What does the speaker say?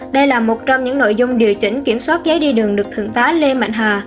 đây là một trong những nội dung điều chỉnh kiểm soát giấy đi đường được thượng tá lê mạnh hà